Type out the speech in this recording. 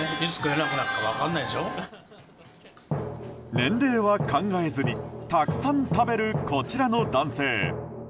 年齢は考えずにたくさん食べるこちらの男性。